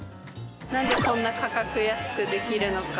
なんでこんな価格安くできるのか。